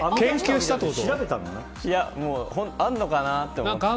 あるのかなと思って。